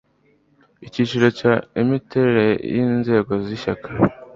Icyiciro cya Imiterere y inzego z Ishyaka